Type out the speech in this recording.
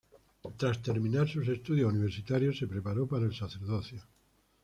Tras terminar sus estudios universitarios, se preparó para el sacerdocio.